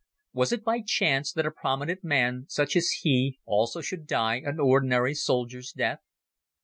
Was it by chance that a prominent man such as he also should die an ordinary soldier's death?